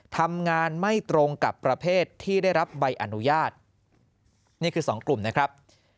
ทำงานไม่ตรงกับประเภทที่ได้รับใบอนุญาตนี่คือสองกลุ่มนะครับ